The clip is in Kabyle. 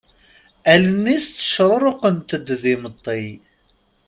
Allen-is ttecruruqent-d d imeṭṭi.